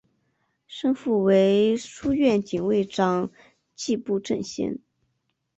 生父为书院警卫长迹部正贤。